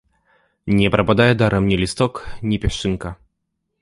Не прападае дарам ні лісток, ні пясчынка.